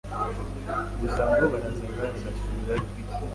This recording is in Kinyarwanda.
gusa ngo barazaga bagasubirayo.